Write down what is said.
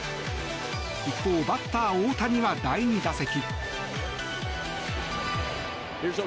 一方、バッター・大谷は第２打席。